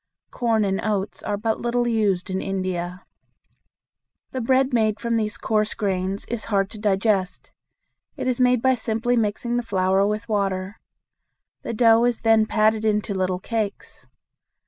Corn and oats are but little used in India. The bread made from these coarse grains is hard to digest. It is made by simply mixing the flour with water. The dough is then patted into little cakes.